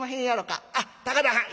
「あっ高田はん。